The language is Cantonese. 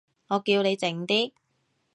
我叫你靜啲